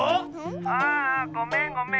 ああごめんごめん。